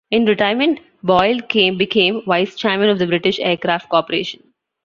In retirement Boyle became Vice-Chairman of the British Aircraft Corporation.